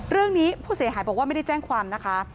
เรื่องนี้ผู้เสียหายบอกว่าไม่ได้แจ้งความนะคะ